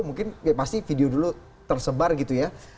mungkin ya pasti video dulu tersebar gitu ya